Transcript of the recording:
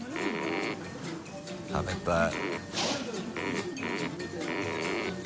食べたい。